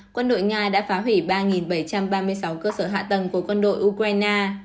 quân đội nga đã phá hủy ba bảy trăm ba mươi sáu cơ sở hạ tầng của quân đội ukraine